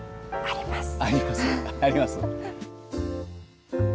あります？